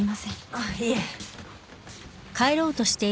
あっいえ。